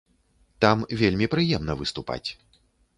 Там вельмі прыемна выступаць.